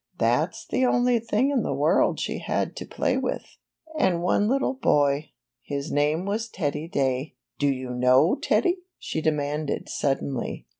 That's the only thing in the world she had to play with. And one little boy — his name was Teddy Day. Do you know Teddy?" she demanded suddenly.